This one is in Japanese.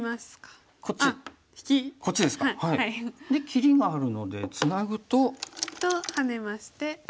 で切りがあるのでツナぐと。とハネまして。